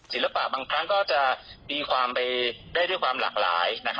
สินภาพบางครั้งก็จะมีความไปได้ด้วยความหลากหลายนะครับ